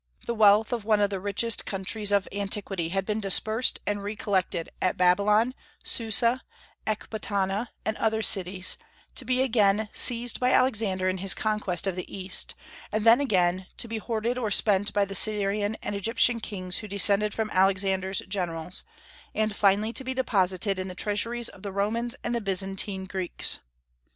The wealth of one of the richest countries of antiquity had been dispersed and re collected at Babylon, Susa, Ecbatana, and other cities, to be again seized by Alexander in his conquest of the East, then again to be hoarded or spent by the Syrian and Egyptian kings who descended from Alexander's generals, and finally to be deposited in the treasuries of the Romans and the Byzantine Greeks.